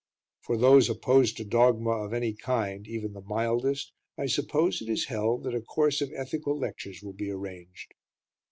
For those opposed to dogma of any kind even the mildest I suppose it is held that a Course of Ethical Lectures will be arranged.